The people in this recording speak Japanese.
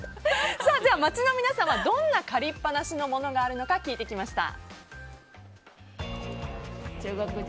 街の皆さんはどんな借りっぱなしのものがあるのか聞いてきました。